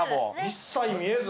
一切見えず。